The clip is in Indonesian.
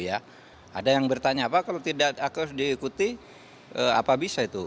ada yang bertanya apa kalau tidak diikuti apa bisa itu